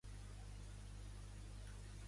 A quina ciutat espanyola es va establir?